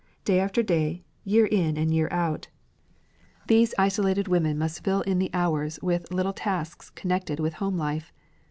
Day after day, year in and year out, these isolated women must fill in the hours with little tasks connected with home life.